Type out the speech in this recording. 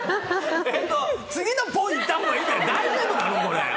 次の、っぽいいったほうがいいかな大丈夫かな。